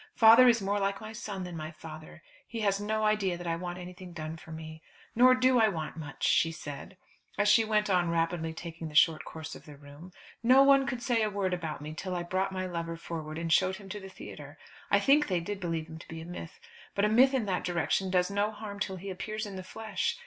Father is more like my son than my father; he has no idea that I want anything done for me. Nor do I want much," she said, as she went on rapidly taking the short course of the room. "No one could say a word about me till I brought my lover forward and showed him to the theatre. I think they did believe him to be a myth; but a myth in that direction does no harm till he appears in the flesh.